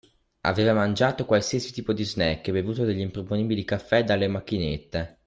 Aveva mangiato qualsiasi tipo di snack e bevuto degli improponibili caffè dalle macchinette.